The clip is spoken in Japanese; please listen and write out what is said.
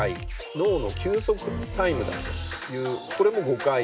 脳の休息タイムだというこれも誤解。